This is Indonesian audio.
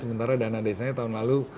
sementara dana desanya tahun lalu